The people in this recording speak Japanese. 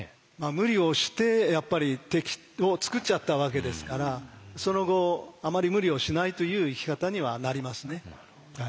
無理をしてやっぱり敵を作っちゃったわけですからその後あまり無理をしないという生き方にはなりますね。